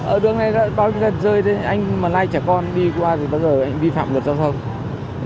ở đường này bao nhiêu lần rơi thế anh mà lai trẻ con đi qua thì bao giờ anh vi phạm luật giao thông